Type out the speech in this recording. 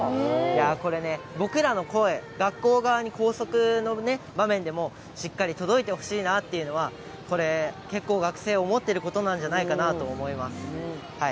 これね、僕らの声、学校側に校則の場面でもしっかり届いてほしいなというのは結構、学生、思っていることなんじゃないかなと思います。